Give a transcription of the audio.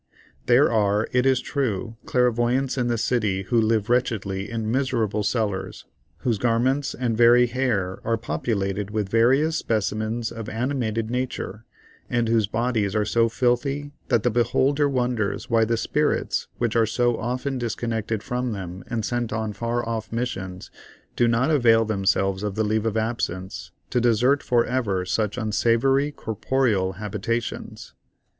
There are, it is true, clairvoyants in the city who live wretchedly in miserable cellars, whose garments and very hair are populated with various specimens of animated nature, and whose bodies are so filthy that the beholder wonders why the spirits, which are so often disconnected from them and sent on far off missions, do not avail themselves of the leave of absence to desert for ever such unsavory corporeal habitations.